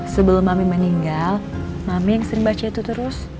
sebelum mami meninggal mami yang sering baca itu terus